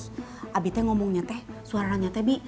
terus abit teh ngomongnya teh suaranya teh bi